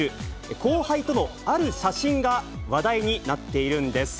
後輩とのある写真が話題になっているんです。